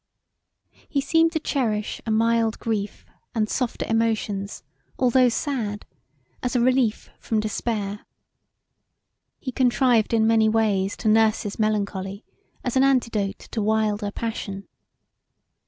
He seemed to cherish a mild grief and softer emotions although sad as a relief from despair He contrived in many ways to nurse his melancholy as an antidote to wilder passion[.